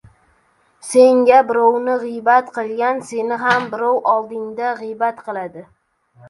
• Senga birovni g‘iybat qilgan seni ham birov oldida g‘iybat qiladi.